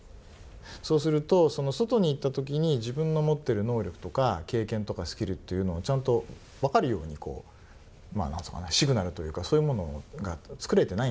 そうすると外に行ったときに自分の持ってる能力とか経験とかスキルっていうのをちゃんと分かるようにシグナルというかそういうものが作れてないんですよ